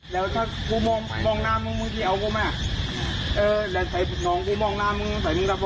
เย็ยหยอดมั้ยไม่ไม่ไม่ไทย